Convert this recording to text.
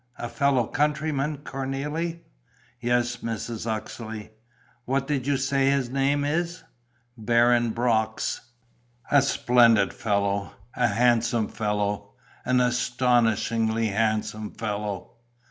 "A fellow countryman, Cornélie?" "Yes, Mrs. Uxeley." "What do you say his name is?" "Baron Brox." "A splendid fellow! A handsome fellow! An astonishingly handsome fellow!...